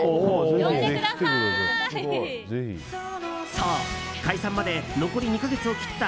そう、解散まで残り２か月を切った